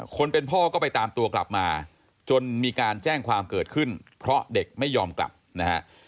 คนเป็นพ่อก็ไปตามตัวกลับมาจนมีการแจ้งความเกิดขึ้นเพราะเด็กไม่ยอมกลับนะฮะ